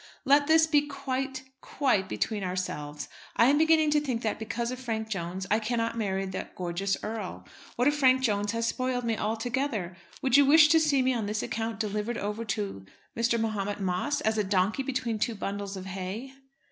Let this be quite quite between ourselves. I am beginning to think that because of Frank Jones I cannot marry that gorgeous earl. What if Frank Jones has spoiled me altogether? Would you wish to see me on this account delivered over to Mr. Mahomet Moss as a donkey between two bundles of hay?